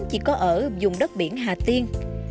chỉ có ở vùng đất biển hà tiên